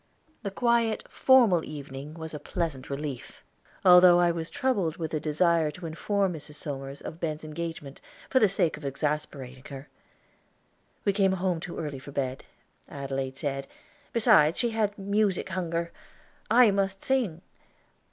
The quiet, formal evening was a pleasant relief, although I was troubled with a desire to inform Mrs. Somers of Ben's engagement, for the sake of exasperating her. We came home too early for bed, Adelaide said; beside, she had music hunger. I must sing.